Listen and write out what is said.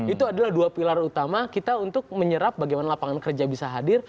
itu adalah dua pilar utama kita untuk menyerap bagaimana lapangan kerja bisa hadir